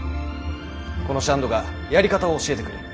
このシャンドがやり方を教えてくれる。